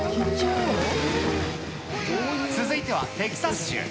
続いてはテキサス州。